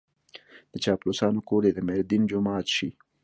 د چاپلوسانو کور دې د ميردين جومات شي.